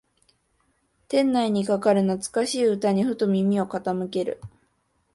店内にかかる懐かしい歌にふと耳を傾ける